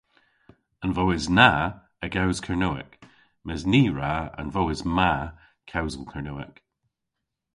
An vowes na a gews Kernewek mes ny wra an vowes ma kewsel Kernewek.